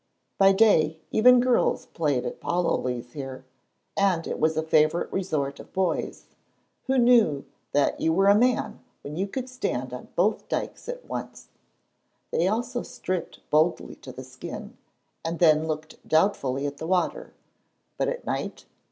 By day even girls played at palaulays here, and it was a favorite resort of boys, who knew that you were a man when you could stand on both dykes at once. They also stripped boldly to the skin and then looked doubtfully at the water. But at night!